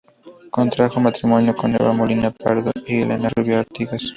Contrajo matrimonio con Eva Molina Pardo y Elena Rubio Artigas.